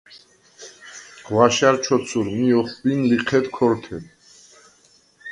ღვაშა̈რ ჩოცურ, მი ა̈ხვბინ ლიჴედ ქორთე.